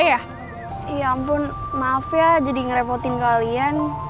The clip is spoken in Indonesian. iya ampun maaf ya jadi ngerepotin kalian